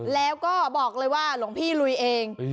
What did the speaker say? แล้วก็บอกเลยว่าหลวงพี่ลุยเอง